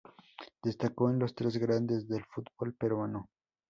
Destacó en los tres grandes del fútbol peruano.